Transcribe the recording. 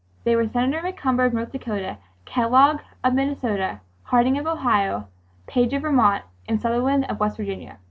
They were Senators McCumber of North Dakota, Kellogg of Minnesota, Harding of Ohio, Page of Vermont, and Sutherland of West Virginia.